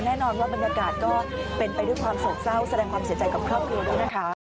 แน่นอนว่าบรรยากาศก็เป็นไปด้วยความโศกเศร้าแสดงความเสียใจกับครอบครัวด้วยนะคะ